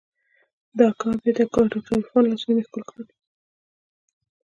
د اکا او بيا د ډاکتر عرفان لاسونه مې ښکل کړل.